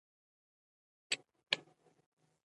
په هرات کې صنعتي پارکونه وده کړې